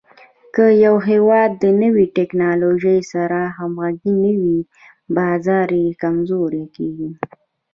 که یو هېواد د نوې ټکنالوژۍ سره همغږی نه وي، بازار یې کمزوری کېږي.